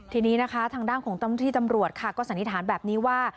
ทีนี้นะคะทางด้านของเจ้าหน้าที่ตำรวจค่ะก็สันนิษฐานแบบนี้ว่า